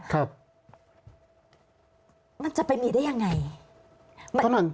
มันจะไปมีได้ยังไง